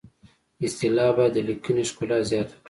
اصطلاح باید د لیکنې ښکلا زیاته کړي